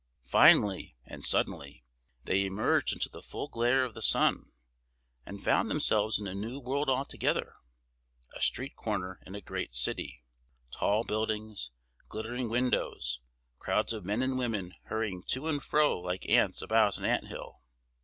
Finally, and suddenly, they emerged into the full glare of the sun, and found themselves in a new world altogether,—a street corner in a great city; tall buildings, glittering windows, crowds of men and women hurrying to and fro like ants about an ant hill.